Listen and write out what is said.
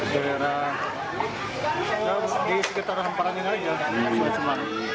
di daerah di sekitar amparan ini aja